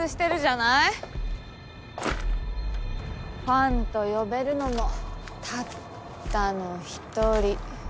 ファンと呼べるのもたったの一人。